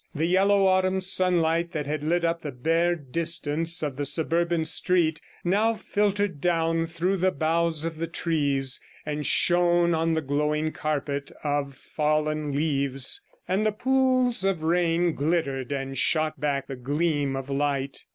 The yellow autumn sunlight that had lit up the bare distance of the suburban street now filtered down through the boughs; of the trees and shone on the glowing carpet of fallen leaves, and the pools of rain glittered and shot back the gleam of light.